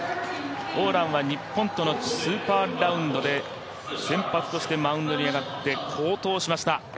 王蘭は日本とのスーパーラウンドで、先発としてマウンドに上がって、好投しました。